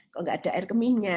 kok tidak ada air kemihnya